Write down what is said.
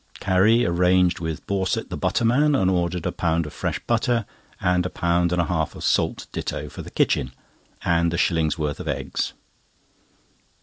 Carrie arranged with Borset, the butterman, and ordered a pound of fresh butter, and a pound and a half of salt ditto for kitchen, and a shilling's worth of eggs.